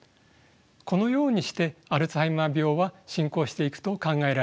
このようにしてアルツハイマー病は進行していくと考えられています。